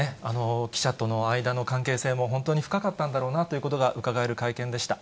記者との間の関係性も本当に深かったんだろうなってことがうかがえる会見でした。